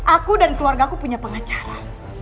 aku dan keluarga aku punya pengacara